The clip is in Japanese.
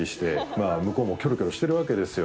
まあ向こうもキョロキョロしてるわけですよ。